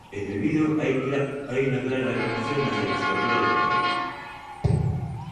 En el vídeo hay una clara reclamación hacia las corridas de toros.